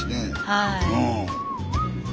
はい。